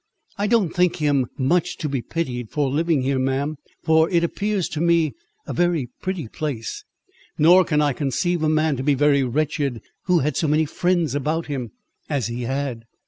"I don't think him much to be pitied for living here, ma'am, for it appears to me a very pretty place; nor can I conceive a man to be very wretched, who had so many friends about him as he had."